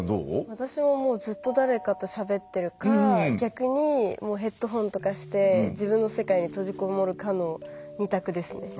私もずっと誰かとしゃべってるか逆にヘッドホンとかして自分の世界に閉じこもるかの２択ですね。